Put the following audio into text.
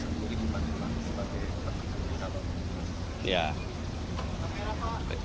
jadi gimana gimana sebagai pertemuan